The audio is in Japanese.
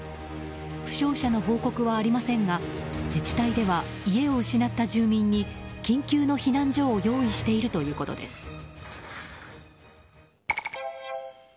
負傷者の報告はありませんが自治体では、家を失った住民に緊急の避難所を用意しているということです。